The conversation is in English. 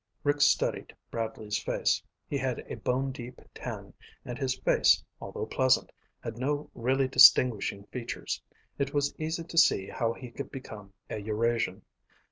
Rick studied Bradley's face. He had a bone deep tan, and his face, although pleasant, had no really distinguishing features. It was easy to see how he could become a Eurasian.